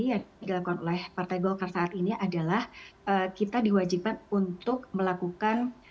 yang dilakukan oleh partai golkar saat ini adalah kita diwajibkan untuk melakukan